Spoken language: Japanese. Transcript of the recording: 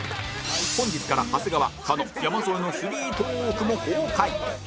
本日から長谷川狩野山添のスリートーークも公開